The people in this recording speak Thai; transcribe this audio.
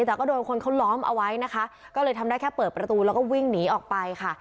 แต่ก็โดนคนเขาล้อมเอาไว้นะคะก็เลยทำได้แค่เปิดประตูแล้วก็วิ่งหนีออกไปค่ะ